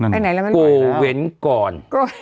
กินก่อน